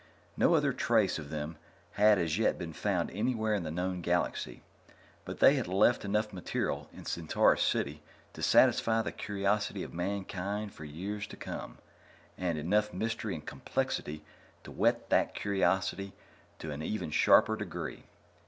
No other trace of them had as yet been found anywhere in the known galaxy, but they had left enough material in Centaurus City to satisfy the curiosity of Mankind for years to come, and enough mystery and complexity to whet that curiosity to an even sharper degree.